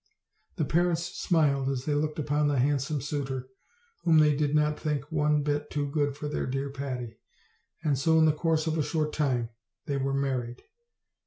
The parents smiled as they looked upon the handsome suitor whom they did not think one bit too good for their dear Patty; and so in the course of a short time they were married.